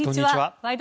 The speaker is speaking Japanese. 「ワイド！